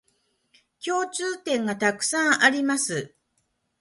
共通点がたくさんあります